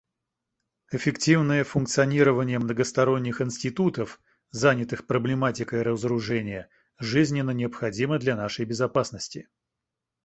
Эффективное функционирование многосторонних институтов, занятых проблематикой разоружения, жизненно необходимо для нашей безопасности.